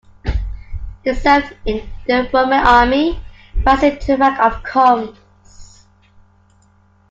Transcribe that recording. He served in the Roman army, rising to the rank of "comes".